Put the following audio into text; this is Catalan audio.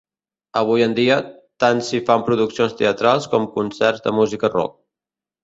Avui en dia, tant s'hi fan produccions teatrals com concerts de música rock.